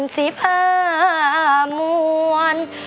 สีผ้ามวล